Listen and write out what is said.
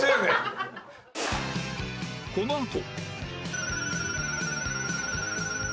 このあと